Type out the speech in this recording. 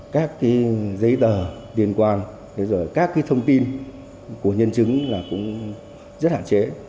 các giấy tờ liên quan các thông tin của nhân chứng là cũng rất hạn chế